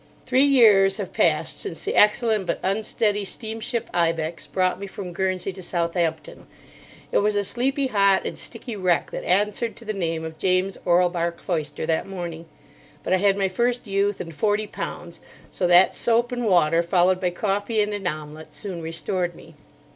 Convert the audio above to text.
Three years have passed since the excellent, but unsteady, steamship Ibex brought me from Guernsey to Southampton. It was a sleepy, hot, and sticky wreck that answered to the name of James Orlebar Cloyster that morning; but I had my first youth and forty pounds, so that soap and water, followed by coffee and an omelette, soon restored me.